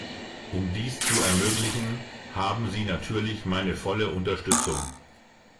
Um dies zu ermöglichen, haben Sie natürlich meine volle Unterstützung.